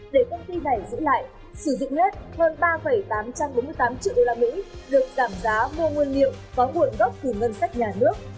để công ty này giữ lại sử dụng led hơn ba tám trăm bốn mươi tám triệu usd được giảm giá mua nguyên liệu có nguồn gốc từ ngân sách nhà nước